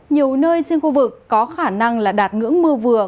nhiều nơi trên khu vực có khả năng là đạt ngưỡng mưa vừa